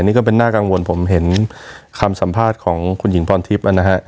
นี่ก็เป็นน่ากังวลผมเห็นคำสัมภาษณ์ของคุณหญิงพรทิพย์นะฮะ